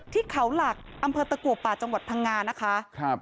ที่เขาหลักอำเภอตะกัวป่าจังหวัดพังงานะคะ